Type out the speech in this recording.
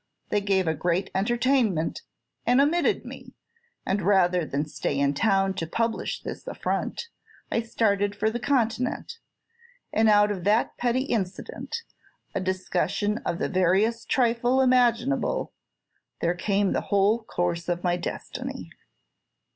They gave a great entertainment, and omitted me; and rather than stay in town to publish this affront, I started for the Continent; and out of that petty incident, a discussion of the veriest trifle imaginable, there came the whole course of my destiny."